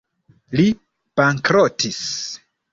Li bankrotis.